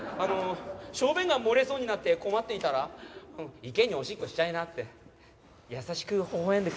小便が漏れそうになって困っていたら「池におしっこしちゃいな」って優しくほほ笑んでくれて。